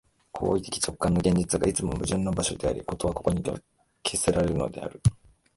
行為的直観の現実が、いつも矛盾の場所であり、事はここに決せられるのである。